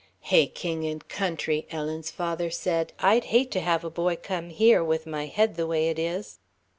"Hey, king and country," Ellen's father said; "I'd hate to have a boy come here, with my head the way it is."